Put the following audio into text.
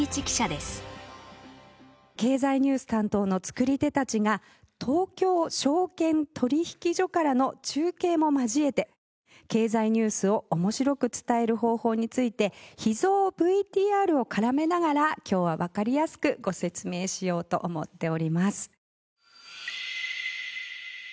経済ニュース担当の作り手たちが東京証券取引所からの中継も交えて経済ニュースを面白く伝える方法について秘蔵ＶＴＲを絡めながら今日はわかりやすくご説明しようと思っております。